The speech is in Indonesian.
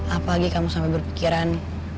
apa lagi kamu sampai berpikiran